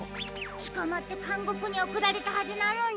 つかまってかんごくにおくられたはずなのに。